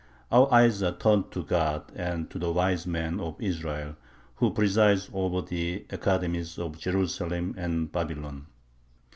Our eyes are [turned] to God and to the wise men of Israel who preside over the academies of Jerusalem and Babylon.